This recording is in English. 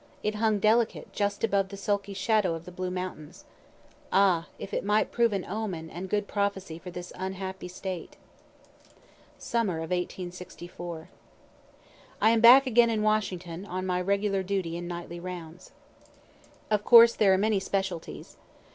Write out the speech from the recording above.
It hung delicate just above the sulky shadow of the Blue mountains. Ah, if it might prove an omen and good prophecy for this unhappy State. SUMMER OF 1864 I am back again in Washington, on my regular daily and nightly rounds. Of course there are many specialties.